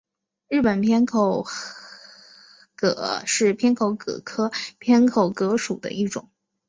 日本偏口蛤是偏口蛤科偏口蛤属的一种。